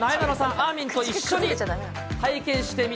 あーみんと一緒に。